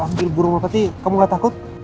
ambil burung merpati kamu gak takut